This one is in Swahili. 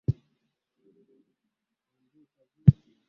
Sambusa zetu ni tamu sana